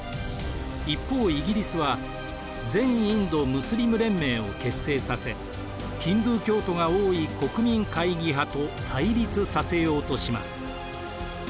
一方イギリスは全インド・ムスリム連盟を結成させヒンドゥー教徒が多い国民会議派と対立させようとします。